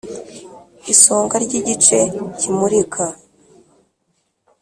isonga ry'igice kimurika